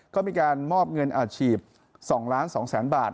ก็มีการมอบเงินอาชีพ๒๒๐๐๐๐บาท